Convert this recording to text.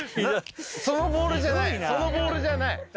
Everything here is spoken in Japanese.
そのボールじゃないそのボールじゃない。